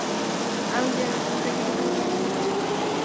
আমি জানি তুমি তাকে ডুবিয়ে মেরে ফেলছো।